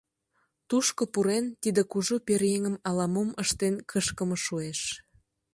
Тушко пурен, тиде кужу пӧръеҥым ала-мом ыштен кышкыме шуэш.